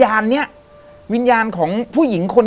แต่ขอให้เรียนจบปริญญาตรีก่อน